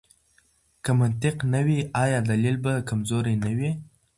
که منطق نه وي، آیا دلیل به کمزوری نه وي؟